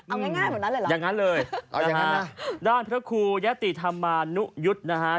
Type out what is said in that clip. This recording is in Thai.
เอาง่ายเหมือนนั้นเลยเหรออย่างนั้นเลยเอาอย่างนั้นนะด้านพระครูยะติธรรมานุยุทธ์นะฮะ